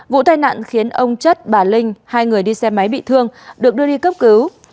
vụ tai nạn khiến ông chất bà linh hai người đi xe máy bị thương được đưa đi cấp cứu